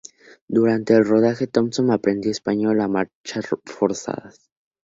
Durante el rodaje Thompson aprendió español a marchas forzadas.